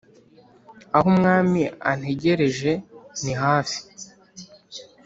aho umwami antegereje nihafi